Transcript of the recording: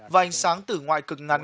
và ánh sáng tử ngoại cực ngắn